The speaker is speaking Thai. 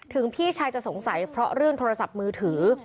พี่ชายจะสงสัยเพราะเรื่องโทรศัพท์มือถือ